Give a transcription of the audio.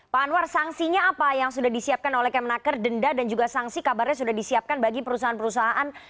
pak anwar sanksinya apa yang sudah disiapkan oleh kemenaker denda dan juga sanksi kabarnya sudah disiapkan bagi perusahaan perusahaan